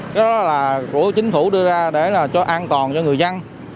đó là của chính phủ đưa ra để cho an toàn cho người dân